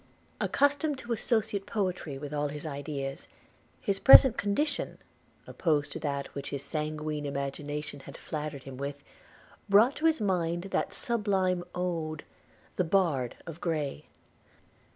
– Accustomed to associate poetry with all his ideas, his present condition, opposed to that which his sanguine imagination had flattered him with, brought to his mind that sublime ode, 'the Bard' of Gray.